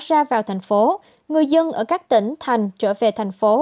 ra vào thành phố người dân ở các tỉnh thành trở về thành phố